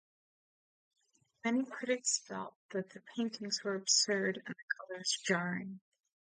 Many critics felt that the "paintings were absurd and the colours jarring".